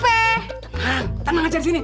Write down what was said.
wah tenang aja di sini